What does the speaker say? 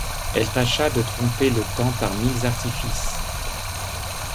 Elle tâcha de tromper le temps par mille artifices.